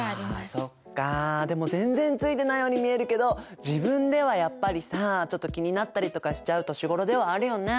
そっかでも全然ついてないように見えるけど自分ではやっぱりさちょっと気になったりとかしちゃう年頃ではあるよね。